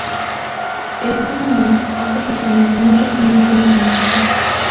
Esto nos ha proporcionado muchas y muy buenas amistades.